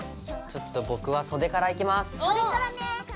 ちょっと僕は袖からいきます！